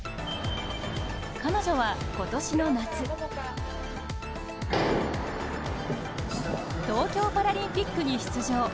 彼女は、今年の夏東京パラリンピックに出場。